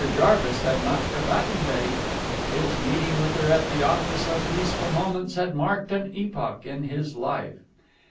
Jarvis had not forgotten Betty. His meeting with her at the office of Peaceful Moments had marked an epoch in his life.